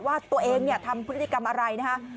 ว่าตัวเองทำพฤติกรรมอะไรนะฮะ